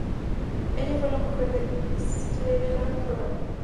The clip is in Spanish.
Ella fue la mujer de Cleveland Brown.